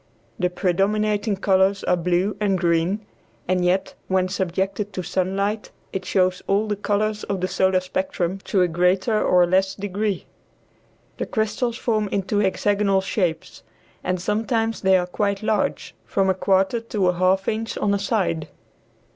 The predominating colors are blue and green, and yet when subjected to sunlight it shows all the colors of the solar spectrum to a greater or less degree. The crystals form into hexagonal shapes, and sometimes they are quite large, from a quarter to a half inch on a side.